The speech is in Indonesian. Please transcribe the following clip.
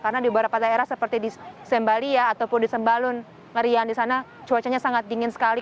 karena di beberapa daerah seperti di sembalia ataupun di sembalun ngerian di sana cuacanya sangat dingin sekali